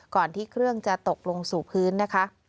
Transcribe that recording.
ก่อนที่เครื่องจะตกลงสู่พื้นนะคะ